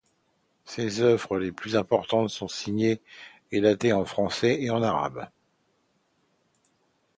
Ses œuvres les plus importantes sont signées et datées en français et en arabe.